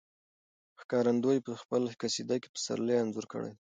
ښکارندوی په خپله قصیده کې د پسرلي انځور کړی دی.